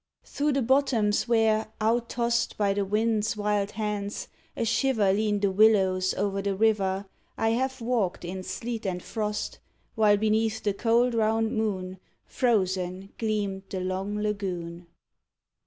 Through the bottoms where, out tossed By the wind's wild hands, ashiver Lean the willows o'er the river, I have walked in sleet and frost, While beneath the cold round moon, Frozen, gleamed the long lagoon.